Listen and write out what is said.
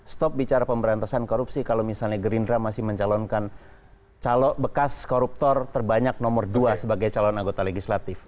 stop bicara pemberantasan korupsi kalau misalnya gerindra masih mencalonkan calon bekas koruptor terbanyak nomor dua sebagai calon anggota legislatif